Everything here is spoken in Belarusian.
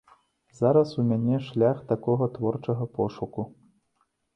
Зараз у мяне шлях такога творчага пошуку.